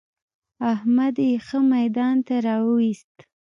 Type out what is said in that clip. احمد يې ښه ميدان ته را ويوست.